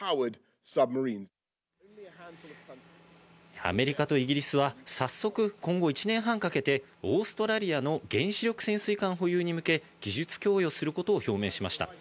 アメリカとイギリスは早速、今後１年半かけて、オーストラリアの原子力潜水艦保有に向け、技術供与することを表明しました。